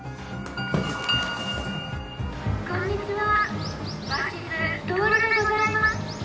こんにちは鷲津亨でございます！